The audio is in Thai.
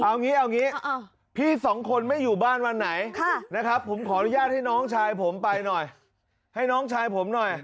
เอางี้เอางี้พี่สองคนไม่อยู่บ้านวันไหนนะครับผมขออนุญาตให้น้องชายผมไปหน่อยให้น้องชายผมหน่อย